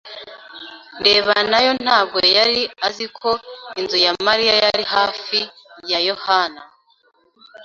ndeba nayo ntabwo yari azi ko inzu ya Mariya yari hafi ya Yohana.